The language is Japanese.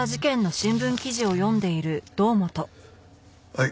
はい。